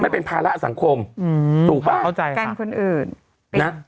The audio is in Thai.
เป็นภาระสังคมอืมถูกป่ะเข้าใจกันคนอื่นนะ